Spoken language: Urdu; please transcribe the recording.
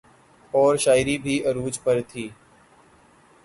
اورشاعری بھی عروج پہ تھی۔